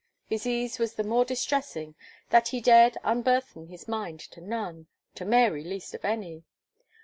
His ease was the more distressing, that he dared unburthen his mind to none, to Mary least of any.